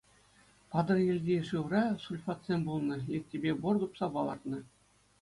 Патӑрьелти шывра сульфатсем пулнӑ, литипе бор тупса палӑртнӑ.